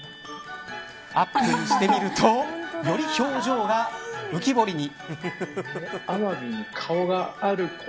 アップにしてみるとより表情が浮き彫りに。